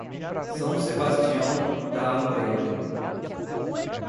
São Sebastião da Amoreira